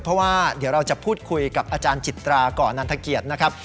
เพราะว่าเดี๋ยวเราจะพูดคุยกับอาจารย์จิตราก่อนนันทเกียรตินะครับ